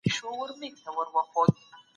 ملتونه په بهرني سیاست کي څه لټوي؟